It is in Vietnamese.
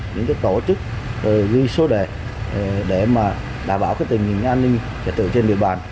những tổ chức ghi số đề để đảm bảo tình hình an ninh trẻ tử trên địa bàn